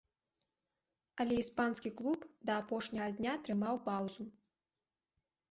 Але іспанскі клуб да апошняга дня трымаў паўзу.